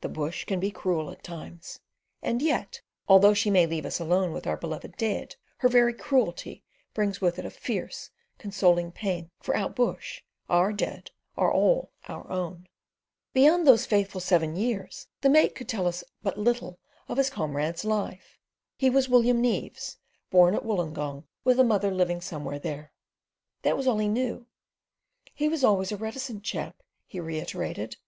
The bush can be cruel at times, and yet, although she may leave us alone with our beloved dead, her very cruelty bungs with it a fierce, consoling pain; for out bush our dead are all our own. Beyond those seven faithful years the mate could tell us but little of his comrade's life. He was William Neaves, born at Woolongong, with a mother living somewhere there. That was all he knew. "He was always a reticent chap," he reiterated.